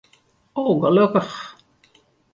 O, gelokkich.